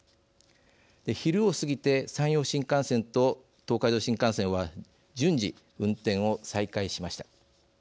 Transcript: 昼を過ぎて山陽新幹線と東海道新幹線は順次運転を再開しました。